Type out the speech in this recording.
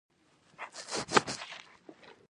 په ښځه نړۍ ښکلې ده.